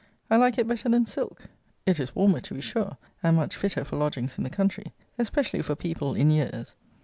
I like it better than silk. It is warmer to be sure, and much fitter for lodgings in the country; especially for people in years.